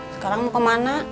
sekarang mau kemana